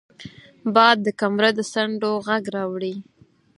باد د کمره د څنډو غږ راوړي